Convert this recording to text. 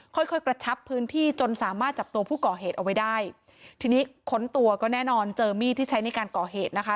ค่อยค่อยกระชับพื้นที่จนสามารถจับตัวผู้ก่อเหตุเอาไว้ได้ทีนี้ค้นตัวก็แน่นอนเจอมีดที่ใช้ในการก่อเหตุนะคะ